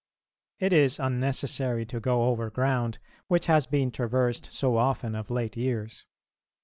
It is unnecessary to go over ground which has been traversed so often of late years.